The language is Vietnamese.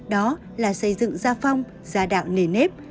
đó là xây dựng gia phong gia đạo nề nếp